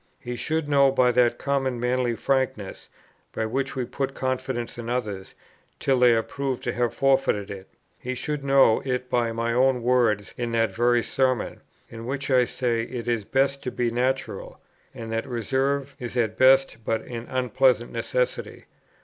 he should know by that common manly frankness, by which we put confidence in others, till they are proved to have forfeited it; he should know it by my own words in that very Sermon, in which I say it is best to be natural, and that reserve is at best but an unpleasant necessity.